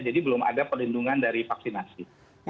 jadi belum ada perlindungan dari vaksinasi